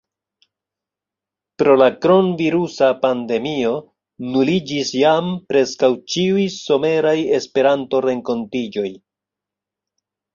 Pro la kronvirusa pandemio nuliĝis jam preskaŭ ĉiuj someraj Esperanto-renkontiĝoj.